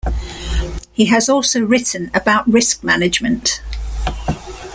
He has also written about risk management.